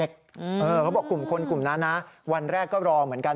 เขาบอกกลุ่มคนกลุ่มนั้นนะวันแรกก็รอเหมือนกัน